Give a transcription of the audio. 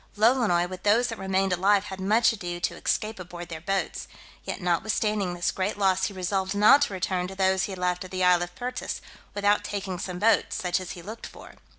Lolonois, with those that remained alive, had much ado to escape aboard their boats: yet notwithstanding this great loss, he resolved not to return to those he had left at the isle of Pertas, without taking some boats, such as he looked for.